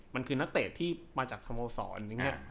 มันคือนักเตะที่มาจากสมสรณ์